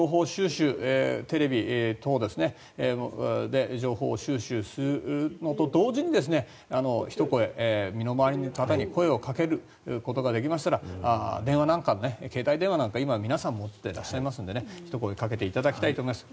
テレビなどで情報を収集するのと同時にひと声、身の回りの方に声をかけることができましたら電話、携帯電話、今皆さん持ってらっしゃいますのでひと声かけていただきたいと思います。